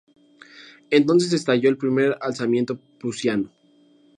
Entonces estalló el primer alzamiento prusiano.